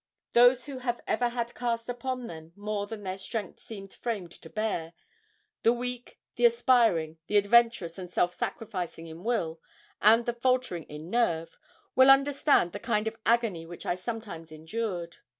Those who have ever had cast upon them more than their strength seemed framed to bear the weak, the aspiring, the adventurous and self sacrificing in will, and the faltering in nerve will understand the kind of agony which I sometimes endured.